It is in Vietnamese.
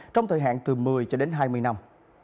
trong thời hạn từ một mươi cho đến hai mươi năm